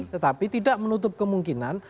tetapi tidak menutup kemungkinan